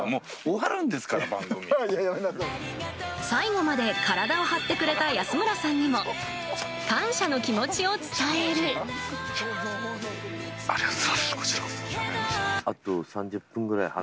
最後まで体を張ってくれた安村さんにも感謝の気持ちを伝える。